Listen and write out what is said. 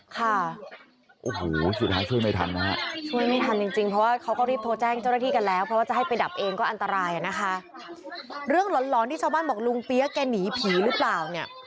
คือเอาพวกเสื้อโพงเสื้อผ้า